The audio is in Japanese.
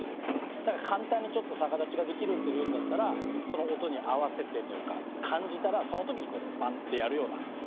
だから簡単にちょっと逆立ちができるっていうんだったらその音に合わせてというか感じたらその時にパンってやるようなイメージ。